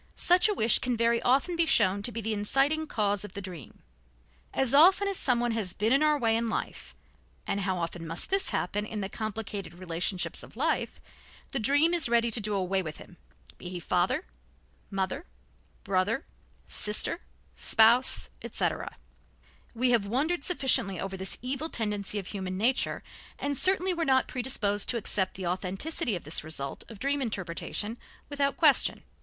Such a wish can very often be shown to be the inciting cause of the dream. As often as someone has been in our way in life and how often must this happen in the complicated relationships of life the dream is ready to do away with him, be he father, mother, brother, sister, spouse, etc. We have wondered sufficiently over this evil tendency of human nature, and certainly were not predisposed to accept the authenticity of this result of dream interpretation without question.